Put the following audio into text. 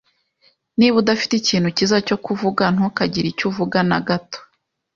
Niba udafite ikintu cyiza cyo kuvuga, ntukagire icyo uvuga na gato.